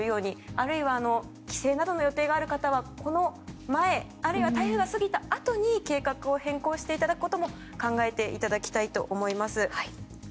あるいは帰省などの予定がある方はこの前あるいは台風が過ぎたあとに計画を変更していただくことも考えていただきたいと思います。